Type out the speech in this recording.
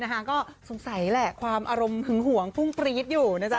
ก็สงสัยแหละความอารมณ์หึงหวงพุ่งปรี๊ดอยู่นะจ๊